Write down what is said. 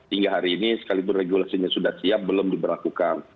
hingga hari ini sekalipun regulasinya sudah siap belum diberlakukan